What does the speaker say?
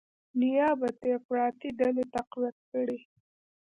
نیابتي افراطي ډلې تقویه کړي،